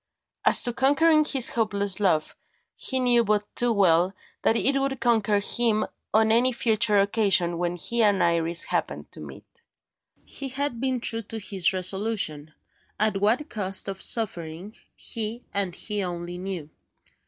As to conquering his hopeless love, he knew but too well that it would conquer him, on any future occasion when he and Iris happened to meet. He had been true to his resolution, at what cost of suffering he, and he alone knew.